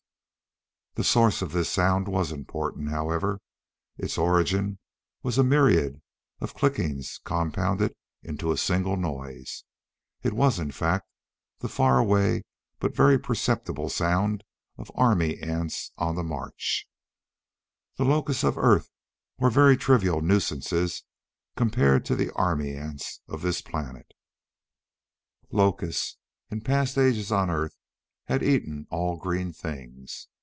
The source of this sound was important, however. Its origin was a myriad of clickings compounded into a single noise. It was, in fact, the far away but yet perceptible sound of army ants on the march. The locusts of Earth were very trivial nuisances compared to the army ants of this planet. Locusts, in past ages on Earth, had eaten all green things.